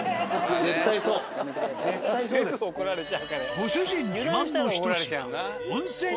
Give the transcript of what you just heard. ご主人自慢のひと品。